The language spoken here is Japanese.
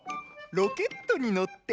ロケットにのって！